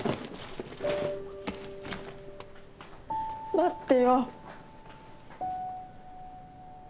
待ってよ。